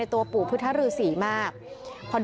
อิสธิวัฒน์อิสธิวัฒน์